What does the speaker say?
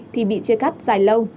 thì bị chia cắt dài lâu